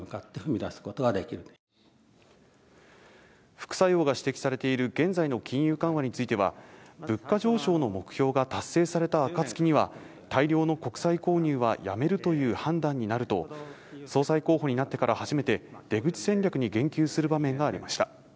副作用が指摘されている現在の金融緩和については、物価上昇の目標が達成された暁には、大量の国債購入はやめるという判断になると総裁候補になってから初めて出口戦略に言及する場面がありました。